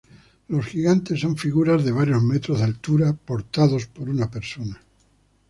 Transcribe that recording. Los gigantes son figuras de varios metros de altura portados por una persona.